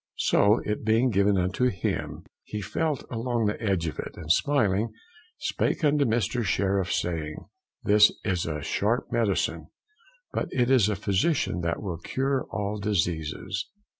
so it being given unto him, he felt along upon the edge of it, and smiling, spake unto Mr. Sheriff, saying, this is a sharp medicine, but it is a physician that will cure all diseases.